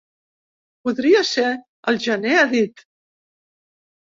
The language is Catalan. Podria ser al gener, ha dit.